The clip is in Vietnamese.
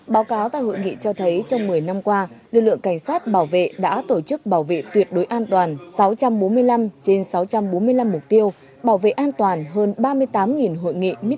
báo cáo tại hội nghị cho thấy trong một mươi năm qua lực lượng cảnh sát bảo vệ đã tổ chức bảo vệ tuyệt đối an toàn sáu trăm bốn mươi năm trên sáu trăm bốn mươi năm mục tiêu bảo vệ an toàn hơn ba mươi tám hội nghị